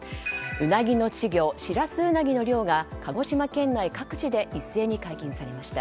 ウナギの稚魚シラスウナギの漁が鹿児島県内各地で一斉に解禁されました。